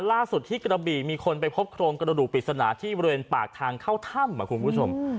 ล่าสุดที่กระบี่มีคนไปพบโครงกระดูกปริศนาที่บริเวณปากทางเข้าถ้ำคุณผู้ชม